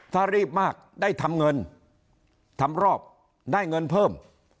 ถ้ารีบมากได้ทำเงินทำรอบได้เงินเพิ่ม